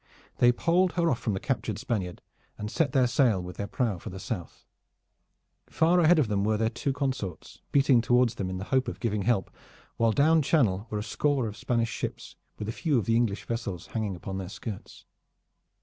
They poled her off from the captured Spaniard and set their sail with their prow for the south. Far ahead of them were their two consorts, beating towards them in the hope of giving help, while down Channel were a score of Spanish ships with a few of the English vessels hanging upon their skirts.